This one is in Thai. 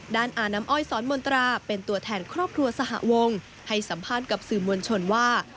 อาน้ำอ้อยสอนมนตราเป็นตัวแทนครอบครัวสหวงให้สัมภาษณ์กับสื่อมวลชนว่า